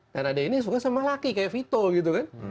dan adek ini suka sama laki kayak vito gitu kan